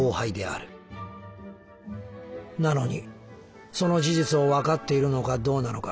なのにその事実をわかっているのかどうなのか